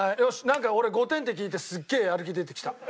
なんか俺５点って聞いてすげえやる気出てきた。